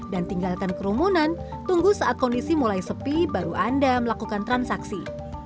dan tinggalkan kerumunan tunggu saat kondisi mulai sepi baru anda melakukan transaksi